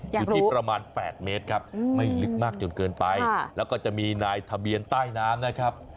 อยู่ที่ประมาณ๘เมตรครับไม่ลึกมากจนเกินไปแล้วก็จะมีนายทะเบียนใต้น้ำนะครับ